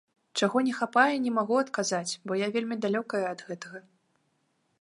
Чаго не хапае, не магу адказаць, бо я вельмі далёкая ад гэтага!